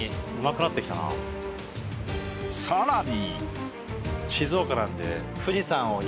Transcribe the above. さらに。